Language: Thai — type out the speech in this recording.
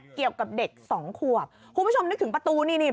เกี่ยวกับเด็กสองขวบคุณผู้ชมนึกถึงประตูนี่นี่